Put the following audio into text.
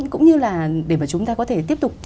cũng như là để mà chúng ta có thể tiếp tục